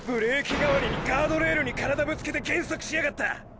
代わりにガードレールに体ぶつけて減速しやがった！！